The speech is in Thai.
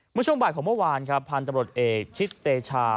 เมื่อช่วงบ่ายของเมื่อวานครับพันธุ์ตำรวจเอกชิดเตชา